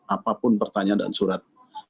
apapun pertanyaan dan surat